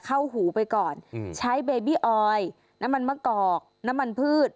เข้าหูไปก่อนอืมใช้เบบี้ออยน้ำมันมะกอกน้ำมันพืช